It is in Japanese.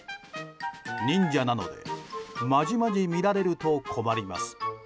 忍者なのでまじまじ見られると困ります。